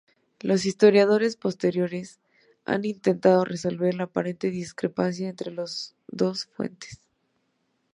Los historiadores posteriores han intentado resolver la aparente discrepancia entre las dos fuentes.